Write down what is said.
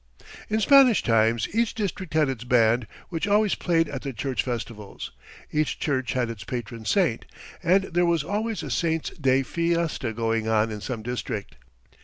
"In Spanish times each district had its band, which always played at the church festivals. Each church had its patron saint, and there was always a saint's day fiesta going on in some district.